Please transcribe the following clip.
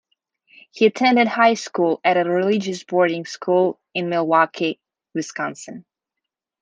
He attended high school at a religious boarding school in Milwaukee, Wisconsin.